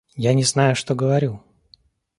Я не знаю, что говорю!